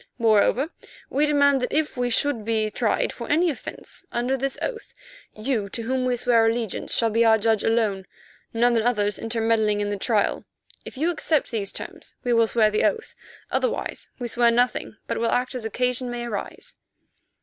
Moreover, we demand that if we should be tried for any offence under this oath, you to whom we swear allegiance shall be our judge alone, none others intermeddling in the trial. If you accept these terms we will swear the oath; otherwise we swear nothing, but will act as occasion may arise."